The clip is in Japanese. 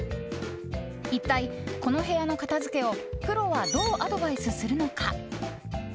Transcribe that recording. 一体この部屋の片付けをプロはどうアドバイスするのか。